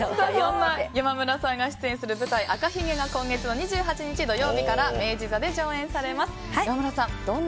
山村さんが出演する舞台「赤ひげ」が２８日土曜日から明治座で上演されます。